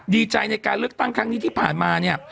ดีใจในการเลือกตั้งครั้งนี้ที่ผ่านมาเนี่ย